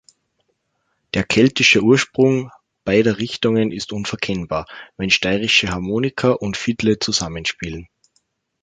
Der keltische Ursprung beider Richtungen ist unverkennbar, wenn steirische Harmonika und Fiddle zusammenspielen.